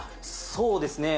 そうですね